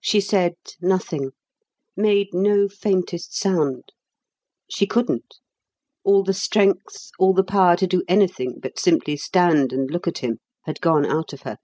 She said nothing, made no faintest sound. She couldn't all the strength, all the power to do anything but simply stand and look at him had gone out of her.